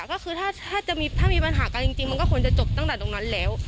ก็คือถ้ามีปัญหากันจริงมันก็ควรจะจบตั้งแต่ตรงนั้นแล้ว